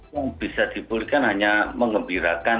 yang bisa dibulkan hanya mengembirakan